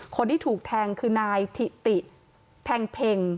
คนที่ถูกแทงคือนายถิติแพงเพ็ง